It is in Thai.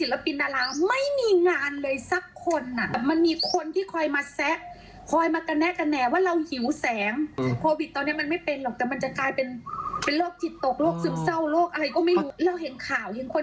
รีบออกมาบ้านรู้เลย